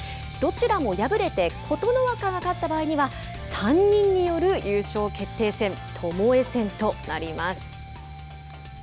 どちらも敗れて琴ノ若が勝った場合には３人による優勝決定戦ともえ戦となります。